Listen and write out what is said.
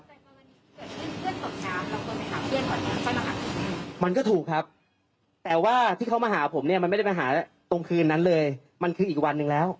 มันก็ถูกครับแต่ว่าที่เขามาหาผมเนี่ยมันไม่ได้มาหาตรงคืนนั้นเลยมันคืออีกวันหนึ่งแล้ว